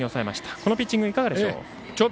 このピッチングいかがでしょう。